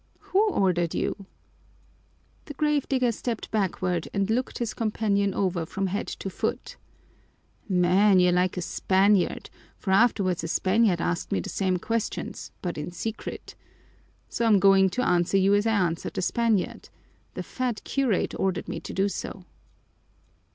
"Who ordered you?" The grave digger stepped backward and looked his companion over from head to foot. "Man, you're like a Spaniard, for afterwards a Spaniard asked me the same questions, but in secret. So I'm going to answer you as I answered the Spaniard: the fat curate ordered me to do so."